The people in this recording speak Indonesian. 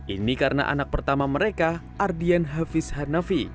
ini karena anak pertama mereka ardian hafiz hanafi